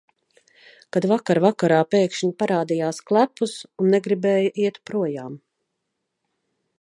Kad vakar vakarā pēkšņi parādījās klepus un negribēja iet projām.